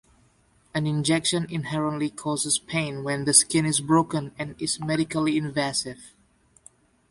An injection inherently causes pain when the skin is broken and is medically invasive.